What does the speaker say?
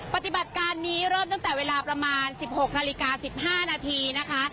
ปฏิบัติการนี้เริ่มตั้งแต่เวลาประมาณ๑๖นาฬิกา๑๕นาทีนะคะ